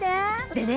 でね